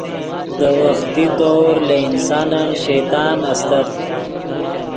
دے وختی طور لے انسانن شیطان استت